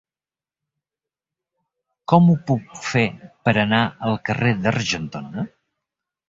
Com ho puc fer per anar al carrer d'Argentona?